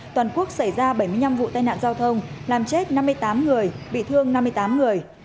toàn quốc xảy ra bảy mươi năm vụ tai nạn giao thông làm chết năm mươi tám người bị thương năm mươi tám người